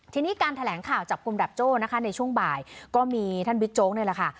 ทีนี้การแถลงข่าวจับกลุ่มดับโจ้นะคะในช่วงบ่ายก็มีท่านบิ๊กโจ๊กนี่แหละค่ะ